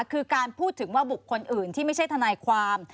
คือการพูดถึงว่าบุคคลอื่นที่ไม่ใช่ทนายความ